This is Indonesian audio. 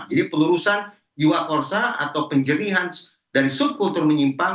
jadi pelurusan jiwa korsa atau penjelihan dari subkultur menyimpang